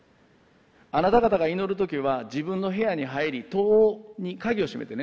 あなた方が祈る時は自分の部屋に入り戸に鍵を閉めてね。